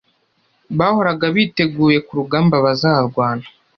Bahoraga biteguye kurugambabazarwana